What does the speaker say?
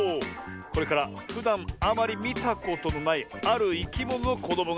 これからふだんあまりみたことのないあるいきもののこどもがでてきます。